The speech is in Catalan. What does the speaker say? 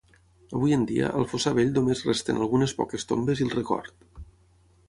Avui en dia, al fossar vell només resten algunes poques tombes i el record.